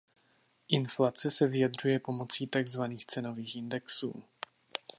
Inflace se vyjadřuje pomocí takzvaných cenových indexů.